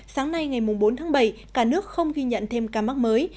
sáng nay ngày bốn tháng bảy cả nước không ghi nhận thêm ca mắc mới